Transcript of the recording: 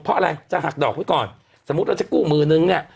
เพราะอะไรจะหักดอกไว้ก่อนสมมุติเราจะกู้มือนึงเนี่ย